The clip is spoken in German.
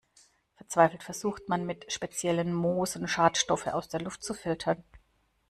Verzweifelt versucht man, mit speziellen Moosen Schadstoffe aus der Luft zu filtern.